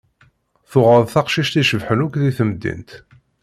Tuɣeḍ taqcict icebḥen akk deg temdint.